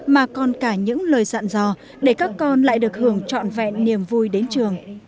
mà còn cả những lời dặn dò để các con lại được hưởng trọn vẹn niềm vui đến trường